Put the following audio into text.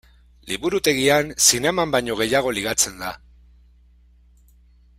Liburutegian zineman baino gehiago ligatzen da.